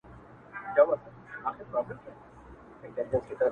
• د رنګینو کلماتو تر اغېز لاندي راغلي وي -